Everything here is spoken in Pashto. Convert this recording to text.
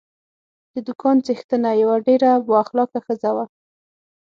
د دوکان څښتنه یوه ډېره با اخلاقه ښځه وه.